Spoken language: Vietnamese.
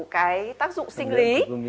cái tác dụng sinh lý